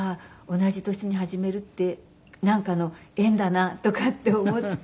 同じ年に始めるってなんかの縁だなとかって思って。